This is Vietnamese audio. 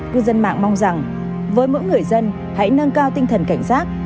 cư dân mạng mong rằng với mỗi người dân hãy nâng cao tinh thần cảnh giác